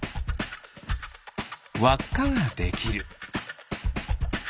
わっかができる。